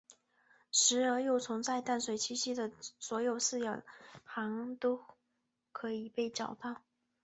石蛾幼虫在淡水栖息地的所有饲养行会都可以被找到。